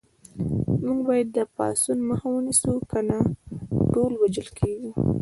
موږ باید د پاڅون مخه ونیسو کنه ټول وژل کېږو